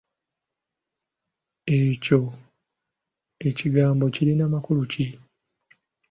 Ekyo ekigambo kirina makulu ki?